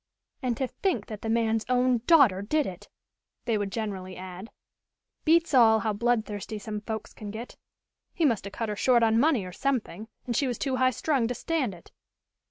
"And to think that the man's own daughter did it," they would generally add. "Beats all how bloodthirsty some folks can get. He must have cut her short on money or something and she was too high strung to stand it."